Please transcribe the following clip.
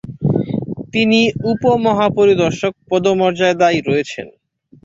তিনি উপ মহাপরিদর্শক পদমর্যাদায় রয়েছেন।